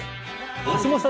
橋下さん